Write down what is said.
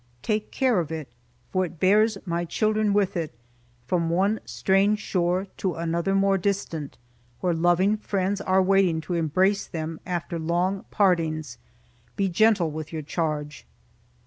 Take care of it, for it bears my children with it, from one strange shore to another more distant, where loving friends are waiting to embrace them after long partings. Be gentle with your charge."